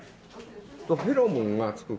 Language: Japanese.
フェロモンがつくから。